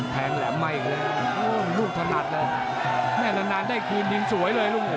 แผงแหลมไหม้เลยลูกถนัดเลยแม่รันดานได้คืนดินสวยเลยลูก